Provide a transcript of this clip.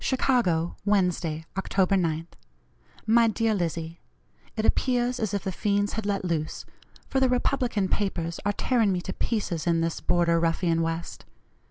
"CHICAGO, Wednesday, October 9th. "MY DEAR LIZZIE: It appears as if the fiends had let loose, for the Republican papers are tearing me to pieces in this border ruffian West.